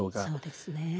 そうですね。